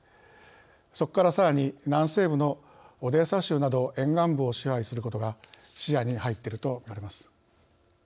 そこから、さらに南西部のオデーサ州など沿岸部を支配することが視野に入っていると見られます。